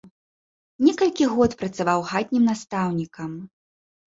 Некалькі год працаваў хатнім настаўнікам.